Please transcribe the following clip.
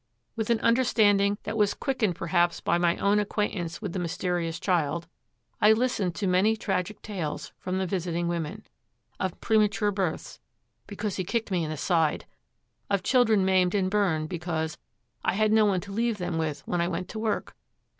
With an understanding that was quickened perhaps by my own acquaintance with the mysterious child, I listened to many tragic tales from the visiting women: of premature births, 'because he kicked me in the side'; of children maimed and burned, because 'I had no one to leave them with when I went to work.'